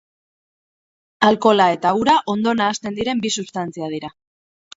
Alkohola eta ura ondo nahasten diren bi substantzia dira.